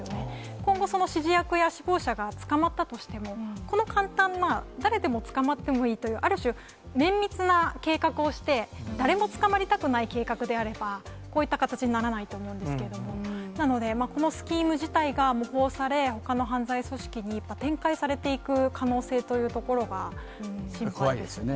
今後、その指示役や首謀者が捕まったとしても、この簡単な、誰でも捕まってもいいという、ある種、綿密な計画をして、誰も捕まりたくない計画であれば、こういった形にならないと思うんですけれども、なので、このスキーム自体が模倣され、ほかの犯罪組織に展開されていく可能性というところが心配ですね。